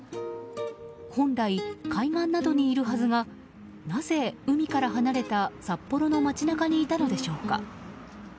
本来、海岸などにいるはずがなぜ海から離れた札幌の街中にいたのでしょうか。